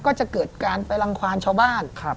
ก็จะเกิดการไปรังความชาวบ้าน